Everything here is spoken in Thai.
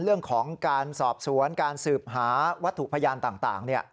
เรื่องของการสอบสวนการสืบหาวัตถุพยานต่าง